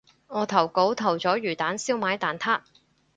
我投稿投咗魚蛋燒賣蛋撻